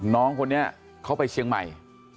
น้องคนนี้เขาไปเชียงใหม่